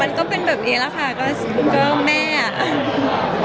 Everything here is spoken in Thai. มันก็เป็นนี่แบบนี้แหละค่ะ